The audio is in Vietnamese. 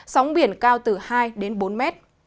sóng biển cao từ hai đến bốn m